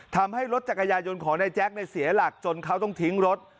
ทำให้รถจักรยายนต์ของนายแจ๊คเสียหลักจนเขาต้องทิ้งรถ